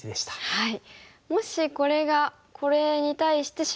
はい。